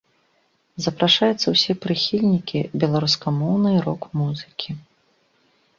Запрашаюцца ўсе прыхільнікі беларускамоўнай рок-музыкі!